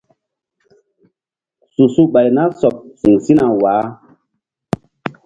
Su su ɓay na sɔɓ siŋ sina waah.